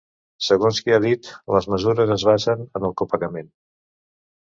Segons que ha dit, les mesures es basen en el copagament.